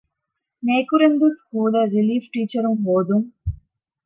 ނޭކުރެންދޫ ސްކޫލަށް ރިލީފް ޓީޗަރުން ހޯދުން